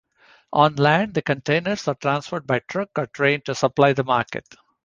On land, the containers are transferred by truck or train to supply the market.